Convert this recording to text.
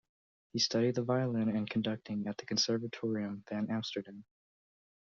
He studied the violin and conducting at the Conservatorium van Amsterdam.